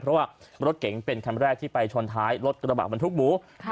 เพราะว่ารถเก๋งเป็นคันแรกที่ไปชนท้ายรถกระบะบรรทุกหมู